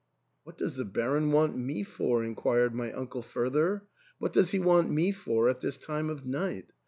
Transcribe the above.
"What does the Baron want me for ?" inquired my uncle further ; "what does he want me for at this time of night